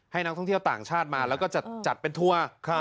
นักท่องเที่ยวต่างชาติมาแล้วก็จะจัดเป็นทัวร์